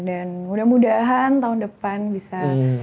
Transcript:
dan mudah mudahan tahun depan bisa